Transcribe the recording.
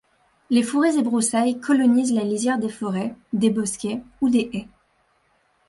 Les fourrés et broussailles colonisent la lisière des forêts, des bosquets ou des haies.